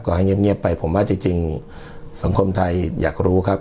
ก็ให้เงียบเงียบไปผมว่าจริงจริงสังคมไทยอยากรู้ครับ